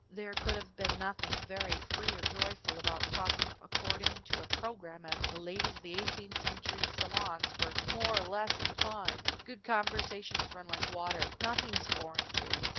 There could have been nothing very free or joyful about talking according to a program as the ladies of the eighteenth century salons were more or less inclined. Good conversation runs like water; nothing is foreign to it.